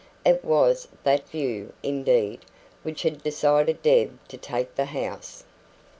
It was that view, indeed, which had decided Deb to take the house.